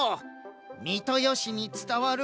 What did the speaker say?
三豊市につたわる